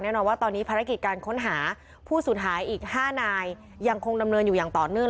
แน่นอนว่าตอนนี้ภารกิจการค้นหาผู้สูญหายอีก๕นายยังคงดำเนินอยู่อย่างต่อเนื่อง